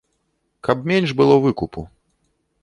Каб менш было выкупу.